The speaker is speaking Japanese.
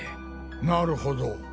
なるほど。